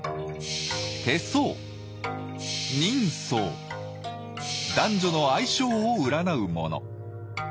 手相人相男女の相性を占うもの。